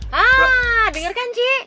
haaa denger kan ci